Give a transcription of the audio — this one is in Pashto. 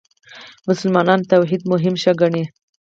مسلمانان توحید مهم شی ګڼي.